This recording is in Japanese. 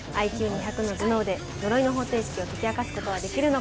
ＩＱ２００の頭脳で呪いの方程式を解き明かす事はできるのか？